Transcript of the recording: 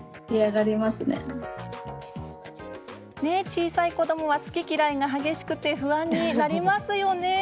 小さい子どもは好き嫌いが激しく不安になりますよね。